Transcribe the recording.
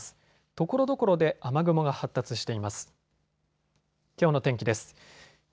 ところどころで雨雲が発達しています。